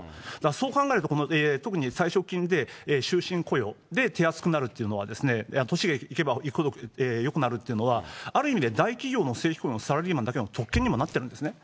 そう考えると、この特に退職金で終身雇用で手厚くなるというのは、年がいけばいくほどよくなるっていうのは、ある意味で大企業の正規雇用のサラリーマンだけの特権にもなってるんですね。